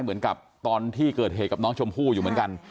เหมือนกับตอนที่เกิดเหตุกับน้องชมพู่อยู่เหมือนกัน